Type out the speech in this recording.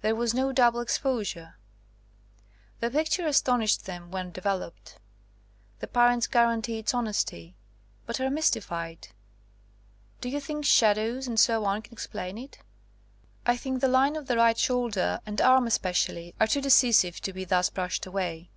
"There was no double exposure. The pic ture astonished them when developed. The parents guarantee its honesty, but are mys tified. 160 SOME SUBSEQUENT CASES if 'Do you think shadows, etc., can explain it? I think the line of the right shoulder and arm especially are too decisive to be thus brushed away.